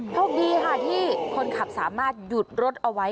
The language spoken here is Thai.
โชคดีค่ะที่คนขับสามารถหยุดรถเอาไว้